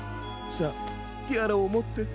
さあティアラをもって。